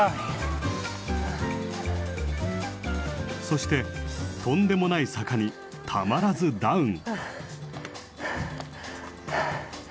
そしてとんでもない坂にたまらずダウン！